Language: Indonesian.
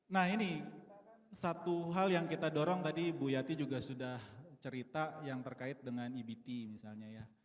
nah ini satu hal yang kita dorong tadi bu yati juga sudah cerita yang terkait dengan ebt misalnya ya